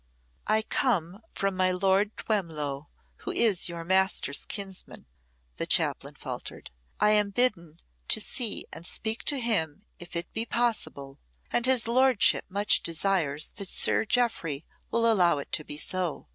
"I come from my Lord Twemlow, who is your master's kinsman," the chaplain faltered; "I am bidden to see and speak to him if it be possible, and his lordship much desires that Sir Jeoffry will allow it to be so.